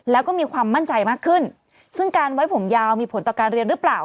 แล้วก็มีความมั่นใจมากขึ้นซึ่งการไว้ผมยาวมีผลต่อการเรียนหรือเปล่า